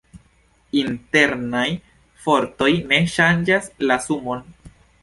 Internaj fortoj ne ŝanĝas la sumon.